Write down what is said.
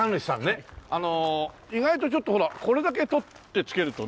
あの意外とちょっとほらこれだけとってつけるとね